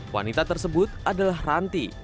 wanita tersebut adalah ranti